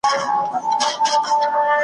اوس دي په غزل کي شرنګ د هري مسرۍ څه وايي .